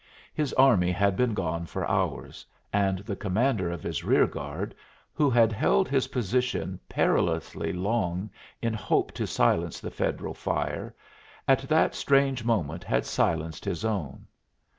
His army had been gone for hours, and the commander of his rear guard, who had held his position perilously long in hope to silence the Federal fire, at that strange moment had silenced his own.